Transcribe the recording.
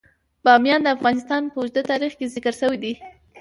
بامیان د افغانستان په اوږده تاریخ کې ذکر شوی دی.